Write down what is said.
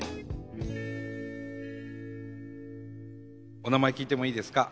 お名前聞いてもいいですか？